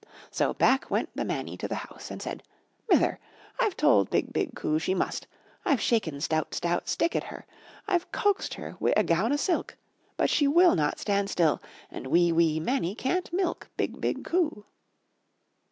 So back went the Mannie to the house and said: "Mither, I've told BIG, BIG COO she must, I've shaken stout, stout stick at her, I've coaxed her wi' a gown o' silk, but she will 237 MY BOOK HOUSE not stand still, and wee, wee Mannie can't milk BIG, BIG COO."